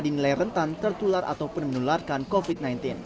mereka dinilai rentan tertular atau penularkan covid sembilan belas